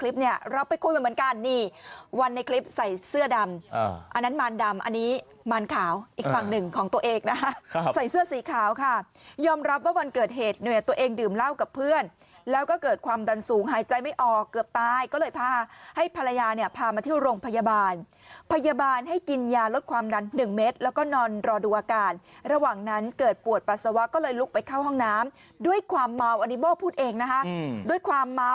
ใส่เสื้อสีขาวค่ะยอมรับว่าวันเกิดเหตุโดยตัวเองดื่มเหล้ากับเพื่อนแล้วก็เกิดความดันสูงหายใจไม่ออกเกือบตายก็เลยพาให้ภรรยาเนี่ยพามาที่โรงพยาบาลพยาบาลให้กินยาลดความดัน๑เมตรแล้วก็นอนรอดูอาการระหว่างนั้นเกิดปวดปัสสาวะก็เลยลุกไปเข้าห้องน้ำด้วยความเมาอันนี้โบ้พูดเองนะคะด้วยคว